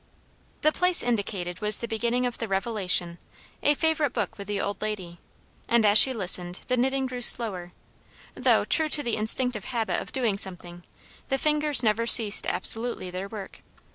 The place indicated was the beginning of the Revelation, a favourite book with the old lady. And as she listened, the knitting grew slower; though, true to the instinctive habit of doing something, the fingers never ceased absolutely their work.